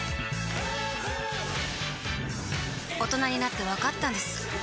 大人になってわかったんです